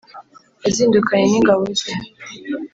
yazindukanye n'ingabo ze